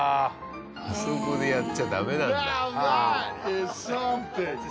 あそこでやっちゃダメなんだ。